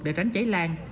để tránh cháy lan